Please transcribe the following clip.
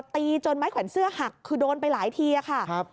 ตีจนไม้แขวนเสื้อหักคือโดนไปหลายทีค่ะ